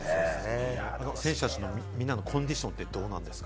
選手たちのみんなのコンディションはどうなんですか？